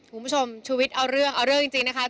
คุณผู้ชมชูวิทย์เอาเรื่องเอาเรื่องจริงนะคะ